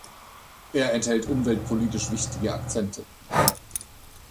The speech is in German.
Er enthält umweltpolitisch wichtige Akzente.